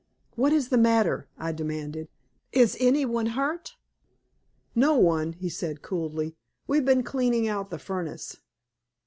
"What is the matter?" I demanded. "Is any one hurt?" "No one," he said coolly. "We've been cleaning out the furnace."